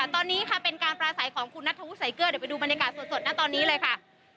ตอนนี้ค่ะเป็นการปลาใสของคุณนัทธวุสัยเกลือเดี๋ยวไปดูบรรยากาศสดนะตอนนี้เลยค่ะ